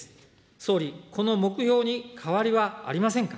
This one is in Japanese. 総理、この目標に変わりはありませんか。